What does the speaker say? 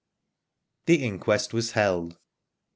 The inquest was held.